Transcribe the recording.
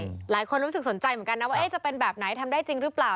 หลายคนรู้สึกสนใจเหมือนกันนะว่าจะเป็นแบบไหนทำได้จริงหรือเปล่า